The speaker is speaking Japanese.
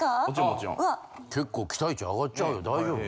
結構期待値あがっちゃうよ大丈夫？